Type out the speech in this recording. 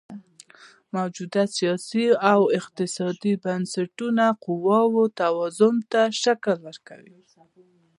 موجوده سیاسي او اقتصادي بنسټونه قواوو توازن ته شکل ورکوي.